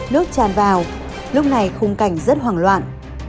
nước tràn vào lúc này khung cảnh rất hoảng loạn